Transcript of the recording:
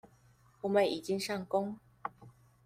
我們已經上工